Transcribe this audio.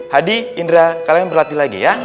hadi indra kalian berlatih lagi ya